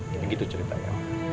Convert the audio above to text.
jadi gitu ceritanya